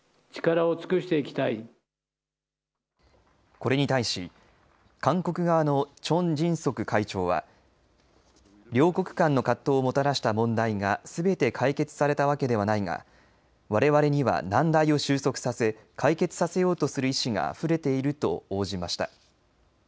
これに対し韓国側のチョン・ジンソク会長は両国間の葛藤をもたらした問題がすべて解決されたわけではないがわれわれには難題を収束させ解決させようとする意思があふれていると応じました。